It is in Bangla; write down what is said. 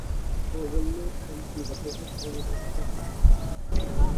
ও বলল, ও নাকি গত বৃহস্পতিবার এসেছিল।